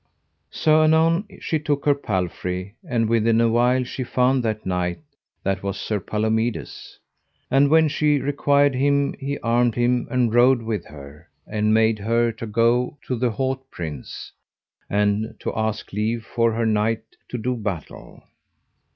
So anon she took her palfrey, and within a while she found that knight, that was Sir Palomides. And when she required him he armed him and rode with her, and made her to go to the haut prince, and to ask leave for her knight to do battle.